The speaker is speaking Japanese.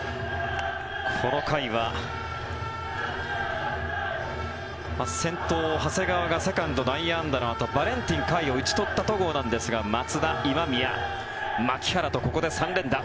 この回は先頭、長谷川がセカンド内野安打のあとバレンティン、甲斐を打ち取った戸郷なんですが松田、今宮、牧原とここで３連打。